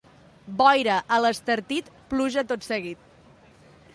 Boira a l'Estartit, pluja tot seguit.